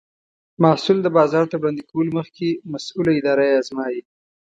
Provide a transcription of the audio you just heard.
محصول د بازار ته وړاندې کولو مخکې مسؤله اداره یې ازمایي.